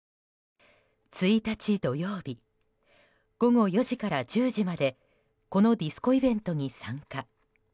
１日土曜日午後４時から１０時までこのディスコイベントに参加。